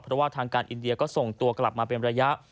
เพราะว่าทางการอินเดียก็ส่งตัวกลับมาเป็นระยะ